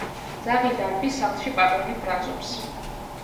ძაღლი დარბის სახლში პატრონი ბრაზობს